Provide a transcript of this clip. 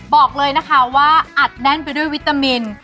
บอกเลยนะคะว่าอัดแน่นไปด้วยวิตามิน